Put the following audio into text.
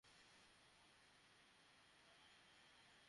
অপ্রীতিকর ঘটনা এড়াতে সকাল থেকে আইনশৃঙ্খলা রক্ষা বাহিনীর সদস্যরা তৎপর ছিলেন।